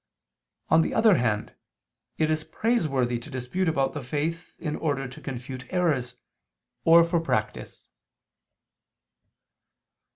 On the other hand, it is praiseworthy to dispute about the faith in order to confute errors, or for practice.